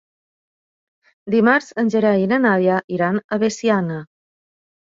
Dimarts en Gerai i na Nàdia iran a Veciana.